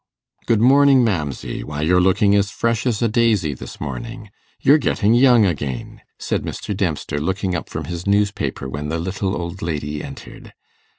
'Good morning, Mamsey! why, you're looking as fresh as a daisy this morning. You're getting young again', said Mr. Dempster, looking up from his newspaper when the little old lady entered.